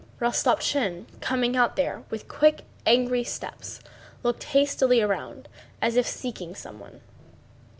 Rostopchín, coming out there with quick angry steps, looked hastily around as if seeking someone.